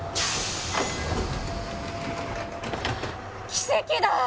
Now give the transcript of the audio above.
奇跡だ！